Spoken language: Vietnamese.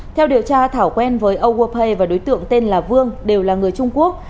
theo điều tra thảo quen với overpay và đối tượng tên là vương đều là người trung quốc